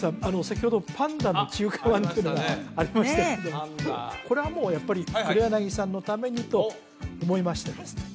先ほどパンダの中華まんというのがありましたけどこれはもうやっぱり黒柳さんのためにと思いましてですね